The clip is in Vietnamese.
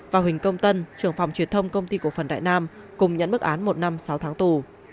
và huỳnh công tân trưởng phòng truyền thông công ty cổ phần đại nam cùng nhận bức án một năm sáu tháng tù